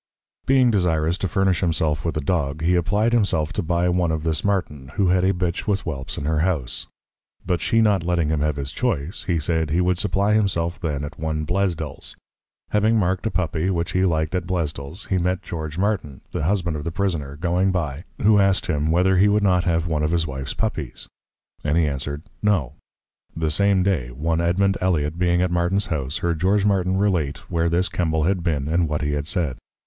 Being desirous to furnish himself with a Dog, he applied himself to buy one of this Martin, who had a Bitch with Whelps in her House. But she not letting him have his choice, he said, he would supply himself then at one Blezdels. Having mark'd a Puppy, which he lik'd at Blezdels, he met George Martin, the Husband of the Prisoner, going by, who asked him, Whether he would not have one of his Wife's Puppies? and he answered, No. The same Day, one Edmond Eliot, being at Martin's House, heard George Martin relate, where this Kembal had been, and what he had said.